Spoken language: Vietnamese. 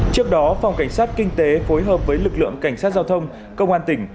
trước đó phòng cảnh sát kinh tế phối hợp với lực lượng cảnh sát giao thông công an tỉnh